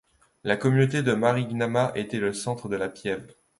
La communauté de Marignana était le centre de la pieve.